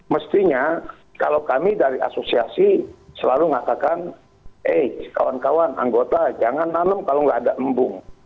mestinya kalau kami dari asosiasi selalu mengatakan eh kawan kawan anggota jangan nanem kalau nggak ada embung